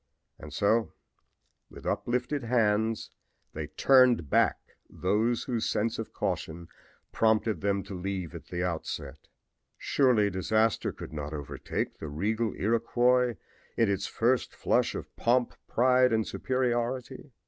And so with uplifted hands they turned back those whose sense of caution prompted them to leave at the outset. Surely disaster could not overtake the regal Iroquois in its first flush of pomp, pride and superiority.